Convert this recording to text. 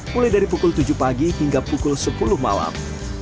mulai dari pukul tujuh pagi hingga pukul sepuluh malam